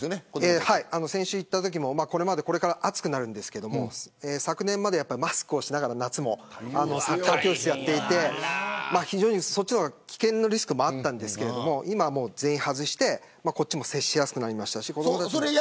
先週に行ったときもこれから暑くなるんですけど昨年まではマスクをしながら夏もサッカー教室をしていてそっちの方がリスクもあったんですけど今は全員外して接しやすくなりました。